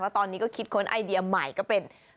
ตอนนี้ก็คิดค้นไอเดียใหม่ก็เป็น